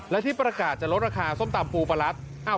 และที่ประกาศจะลดราคาส้มตำปูประรัด